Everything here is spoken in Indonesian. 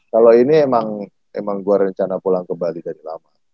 kalo ini emang emang gua rencana pulang ke bali dari lama